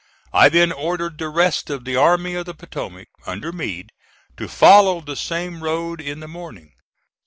I then ordered the rest of the Army of the Potomac under Meade to follow the same road in the morning.